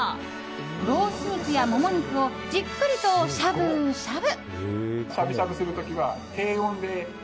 ロース肉やモモ肉をじっくりとしゃぶしゃぶ。